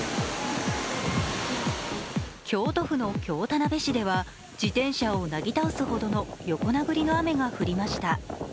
京都府の京田辺市では自転車をなぎ倒すほどの横殴りの雨が降りました。